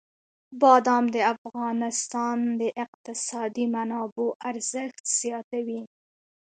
بادام د افغانستان د اقتصادي منابعو ارزښت زیاتوي.